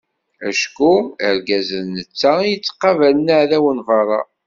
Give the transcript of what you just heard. Acku argaz d netta i yettqabalen aεdaw n beṛṛa.